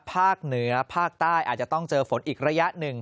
เหนือภาคใต้อาจจะต้องเจอฝนอีกระยะหนึ่ง